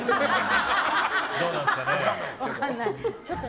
どうなんですかね。